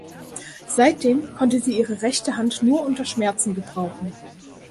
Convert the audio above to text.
Seitdem konnte sie ihre rechte Hand nur unter Schmerzen gebrauchen.